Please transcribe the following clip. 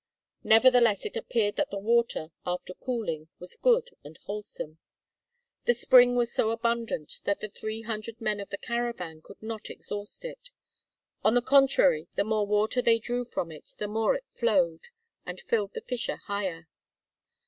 Nevertheless, it appeared that the water, after cooling, was good and wholesome. The spring was so abundant that the three hundred men of the caravan could not exhaust it. On the contrary the more water they drew from it the more it flowed, and filled the fissure higher.